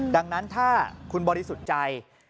ดังนั้นถ้าคุณบริสุทธิ์ใจ